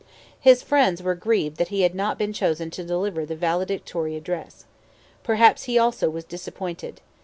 His friends were grieved that he had not been chosen to deliver the valedictory address. Perhaps he also was disappointed.